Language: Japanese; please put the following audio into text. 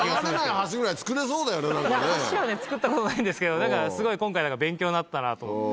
橋はつくったことないんですけどすごい今回勉強になったなと思って。